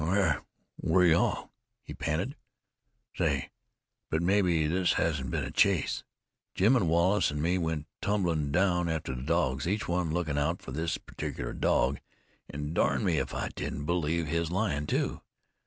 "Where were you all?" he panted. "Say! but mebbe this hasn't been a chase! Jim and Wallace an' me went tumblin' down after the dogs, each one lookin' out for his perticilar dog, an' darn me if I don't believe his lion, too.